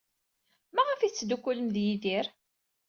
Maɣef ay tettdukkulem ed Yidir?